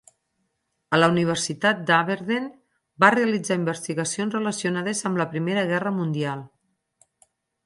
A la Universitat d'Aberdeen va realitzar investigacions relacionades amb la Primera Guerra Mundial.